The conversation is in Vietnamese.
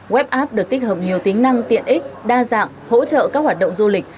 web app được tích hợp nhiều tính năng tiện ích đa dạng hỗ trợ các hoạt động du lịch